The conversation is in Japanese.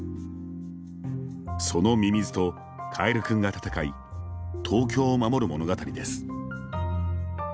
そのミミズと、かえるくんが闘い東京を守る物語です。